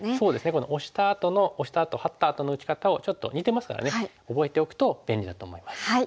このオシたあとのオシたあとハッたあとの打ち方をちょっと似てますからね覚えておくと便利だと思います。